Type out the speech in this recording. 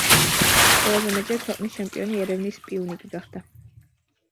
ყველაზე მეტჯერ ქვეყნის ჩემპიონი ერევნის „პიუნიკი“ გახდა.